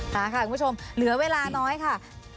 ค่ะคุณผู้ชมเหลือเวลาน้อยค่ะ